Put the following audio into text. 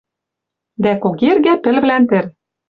Дӓ когергӓ пӹлвлӓн тӹр...